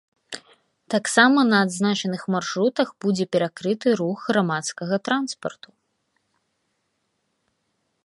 Таксама на адзначаных маршрутах будзе перакрыты рух грамадскага транспарту.